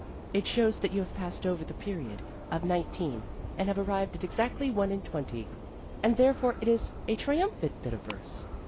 It shows that you have passed over the period of nineteen and have arrived at exactly one and twenty. And therefore it is a triumphant bit of verse.